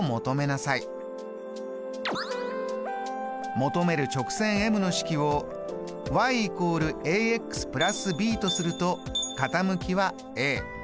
求める直線ｍの式をｙ＝＋ｂとすると傾きは。